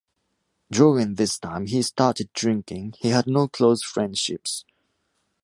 During this time he started drinking; he had no close friendships.